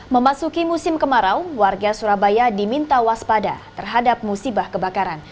memasuki musim kemarau warga surabaya diminta waspada terhadap musibah kebakaran